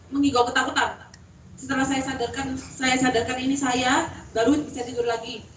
mengigau ketakutan setelah saya sadarkan saya sadarkan ini saya baru bisa tidur lagi